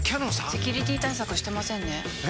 セキュリティ対策してませんねえ！